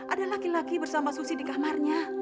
ada laki laki bersama susi di kamarnya